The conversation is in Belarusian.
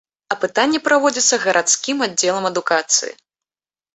Апытанне праводзіцца гарадскім аддзелам адукацыі.